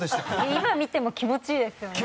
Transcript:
今、見ても気持ちいいです。